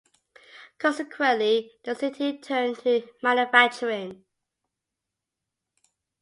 Consequently, the city turned to manufacturing.